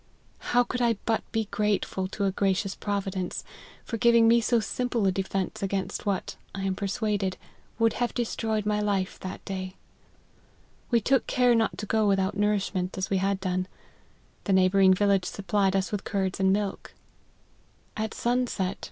How could I but be grateful to a gracious Provi dence, for giving me so simple a defence against what, I am persuaded, would have destroyed my life that day. We took care not to go without nourishment, as we had done ; the neighbouring village supplied us with curds and milk. At sunset, Mi 138 LIFE OF HENRY MARTYN.